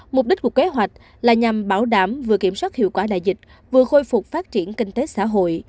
mục đích của kế hoạch là nhằm bảo đảm vừa kiểm soát hiệu quả đại dịch vừa khôi phục phát triển kinh tế xã hội